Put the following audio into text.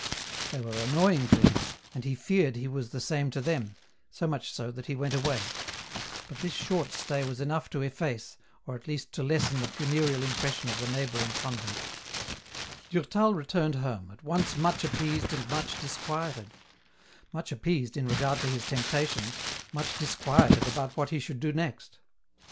Tbey were annoying to him, and he feared he was the same to them, so much so that he went away ; but this short stay was enough to efface, or at least to lessen the funereal impression of the neighbouring convent, Durtal returned home, at once much appeased and much disquieted — much appeased in regard to his temptations, much disquieted about what he should do next.